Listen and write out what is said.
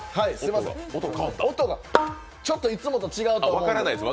音が、ちょっといつもと違うと思うんです。